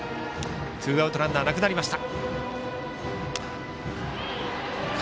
ツーアウトランナーなくなりました。